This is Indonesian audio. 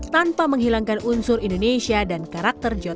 tanpa menghilangkan unsur indonesia dan karakter joe